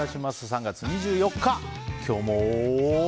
３月２４日、今日も。